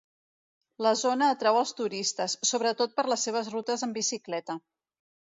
La zona atrau els turistes, sobretot per les seves rutes amb bicicleta.